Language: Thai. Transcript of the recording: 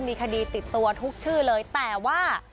มีคดีติดตัวทุกชื่อเลยแต่ว่า